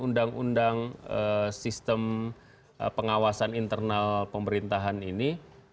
undang undang sistem pengawasan internal pemerintahan ini